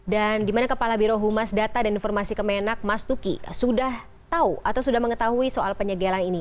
dan gimana kepala birohumas data dan informasi kemenak mas duki sudah tahu atau sudah mengetahui soal penyegelan ini